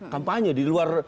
kampanye di luar